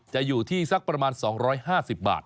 จะอยู่ที่สักประมาณ๒๕๐บาท